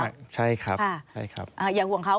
สวัสดีค่ะที่จอมฝันครับ